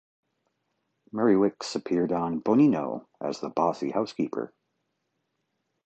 Mary Wickes appeared on "Bonino" as the bossy housekeeper.